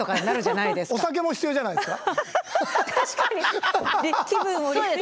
確かに！